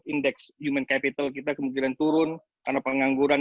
indeks human capital kita kemungkinan turun karena pengangguran